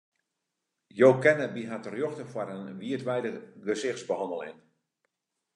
Jo kinne by har terjochte foar in wiidweidige gesichtsbehanneling.